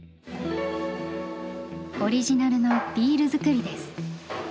オリジナルのビール造りです。